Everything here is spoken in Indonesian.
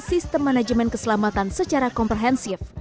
sistem manajemen keselamatan secara komprehensif